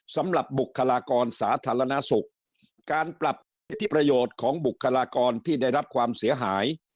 สำหรับบุคลากรสาธารณสุขการปรับสิทธิประโยชน์ของบุคลากรที่ได้รับความเสียหาย